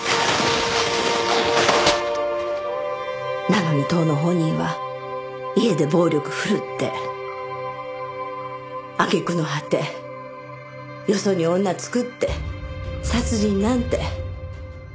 なのに当の本人は家で暴力振るって揚げ句の果てよそに女作って殺人なんて。